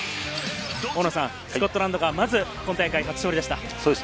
スコットランドが今大会初勝利でした。